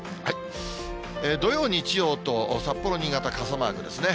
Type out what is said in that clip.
土曜、日曜と札幌、新潟、傘マークですね。